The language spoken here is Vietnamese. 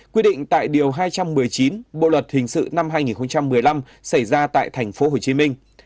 quy định tại điều hai trăm một mươi chín bộ luật hình sự năm hai nghìn một mươi năm xảy ra tại tp hcm